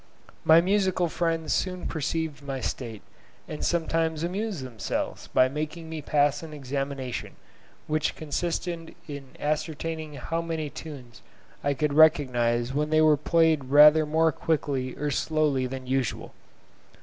My musical friends soon perceived my state, and sometimes amused themselves by making me pass an examination, which consisted in ascertaining how many tunes I could recognise when they were played rather more quickly or slowly than usual.